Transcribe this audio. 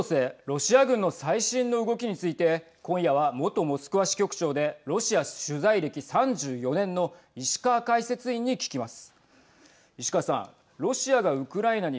ロシア軍の最新の動きについて今夜は、元モスクワ支局長でロシア取材歴３４年の石川解説員に聞きます。